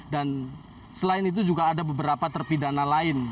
dan selain itu juga ada beberapa terpidana lain